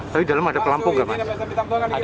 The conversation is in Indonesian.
tapi di dalam ada pelampung nggak mas